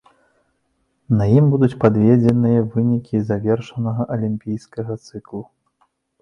На ім будуць падведзеныя вынікі завершанага алімпійскага цыклу.